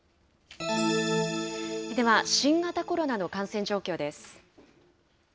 では、新型コロナの感染状況です。